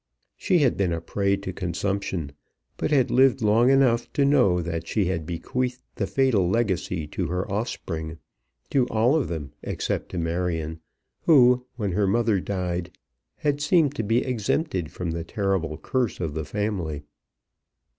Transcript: She had been a prey to consumption, but had lived long enough to know that she had bequeathed the fatal legacy to her offspring, to all of them except to Marion, who, when her mother died, had seemed to be exempted from the terrible curse of the family.